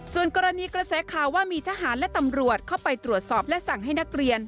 ส่วนกรณีกระแสข่าวว่ามีทหารและตำรวจเข้าไปตรวจสอบและสั่งให้นักเรียน